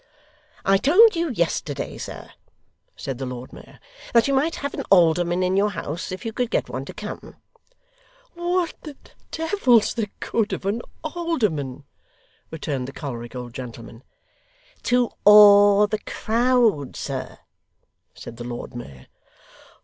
'I told you yesterday, sir,' said the Lord Mayor, 'that you might have an alderman in your house, if you could get one to come.' 'What the devil's the good of an alderman?' returned the choleric old gentleman. ' To awe the crowd, sir,' said the Lord Mayor.